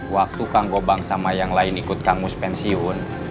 waktu kang gobang sama yang lain ikut kamus pensiun